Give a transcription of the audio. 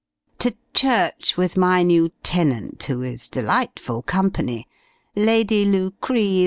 "To church with my new tenant, who is delightful company: Lady Lucre.